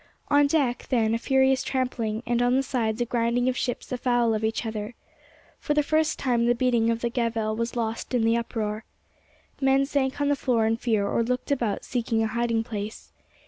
On deck, then, a furious trampling, and on the sides a grinding of ships afoul of each other. For the first time the beating of the gavel was lost in the uproar. Men sank on the floor in fear or looked about seeking a hiding place.